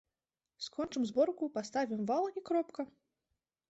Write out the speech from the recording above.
Скончым зборку, паставім вал, і кропка.